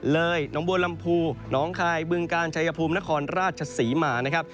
เลยน้องบัวลำภูน้องคายบึงกานชัยภูมินครราชสีมา